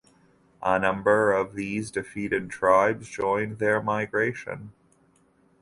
A number of these defeated tribes joined their migration.